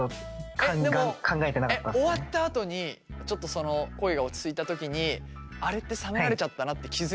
えっでも終わったあとにちょっとその行為が落ち着いた時にあれって冷められちゃったなって気付いた？